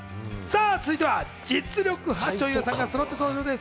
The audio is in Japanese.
続いては実力派女優さんがそろって登場です。